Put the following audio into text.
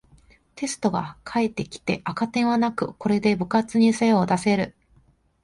テストが返ってきて赤点はなく、これで部活に精を出せる